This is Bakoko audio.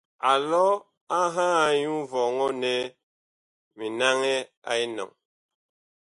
Alɔ a ŋhaa nyu vɔŋɔ nɛ mi naŋɛ a enɔŋ.